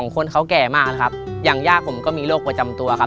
คนเขาแก่มากนะครับอย่างย่าผมก็มีโรคประจำตัวครับ